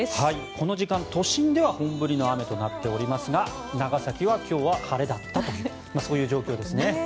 この時間、都心では本降りの雨となっていますが長崎は今日晴れだったというそういう状況ですね。